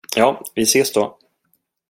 Ja, vi ses då.